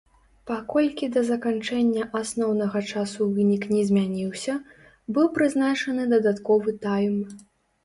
Паколькі да заканчэння асноўнага часу вынік не змяніўся, быў прызначаны дадатковы тайм.